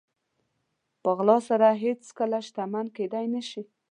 په غلا سره هېڅکله شتمن کېدلی نه شئ.